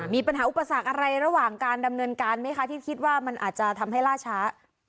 มีปัญหาอุปสรรคอะไรระหว่างการดำเนินการไหมคะที่คิดว่ามันอาจจะทำให้ล่าช้า